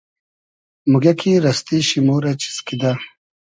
موگیۂ کی رئستی شی مۉ رۂ چیز کیدۂ